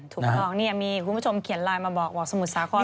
ถูกต้องนี่มีคุณผู้ชมเขียนไลน์มาบอกบอกสมุทรสาคร